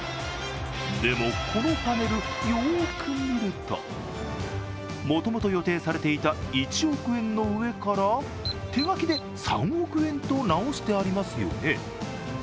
でも、このパネル、よーく見るともともと予定されていた「１億円」の上から手書きで「３億円」と直してありますよね。